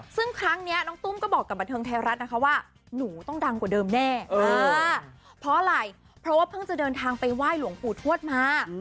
ซึ่งครั้งนี้น้องตุ้มก็บอกกับบันเทิงไทยรัฐนะคะว่าหนูต้องดังกว่าเดิมแน่เพราะอะไรเพราะว่าเพิ่งจะเดินทางไปไหว้หลวงปู่ทวดมา